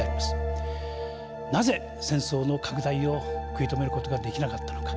なぜ戦争の拡大を食い止める事ができなかったのか。